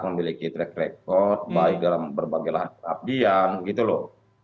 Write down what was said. memiliki track record baik dalam berbagai latihan gitu loh